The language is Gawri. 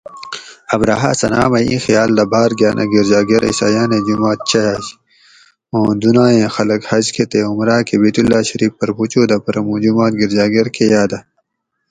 ابرھاۤ صنعا مئی ایں خیال دہ باۤر گاۤن ا گرجا گھر (عیسایاۤنیں جُمات) چائے اُوں دُنائیں خلق حج کہ تے عمراۤ کہ بیت اللّہ شریف پۤھر مُو چودہ پرہ مُو جُمات (گرجا گھر) کہ یاۤدہ